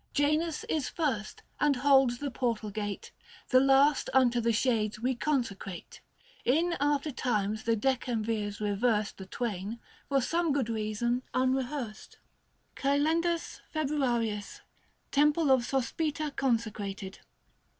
Janus is first, and holds the portal gate ; The last unto the Shades we consecrate. 40 In after times the Decemvirs reversed The twain, for some good reason unrehearsed. KAL. FEB. TEMPLE OF SOSPITA CONSECRATED.